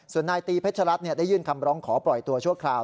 ส่วนนายตีเพชรรัฐได้ยื่นคำร้องขอปล่อยตัวชั่วคราว